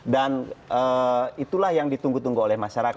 dan itulah yang ditunggu tunggu oleh masyarakat